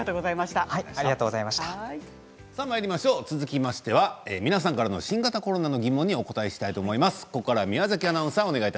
続きましては皆さんからの新型コロナの疑問にお答えしたいと思います。